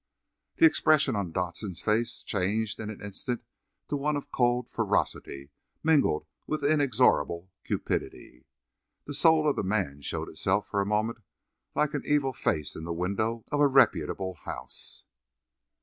The expression on Dodson's face changed in an instant to one of cold ferocity mingled with inexorable cupidity. The soul of the man showed itself for a moment like an evil face in the window of a reputable house.